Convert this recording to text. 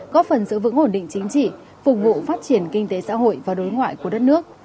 góp phần giữ vững ổn định chính trị phục vụ phát triển kinh tế xã hội và đối ngoại của đất nước